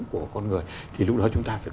của con người thì lúc đó chúng ta phải